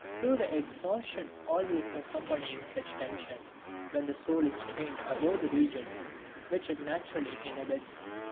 "Through the exhaustion always accompanying such tension, when the soul is strained above the region which it naturally inhabits...